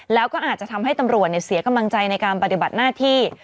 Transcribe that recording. แล้วก็อาจจะทำให้ตำรวจเสียกำลังใจในการปฏิบัติหน้าที่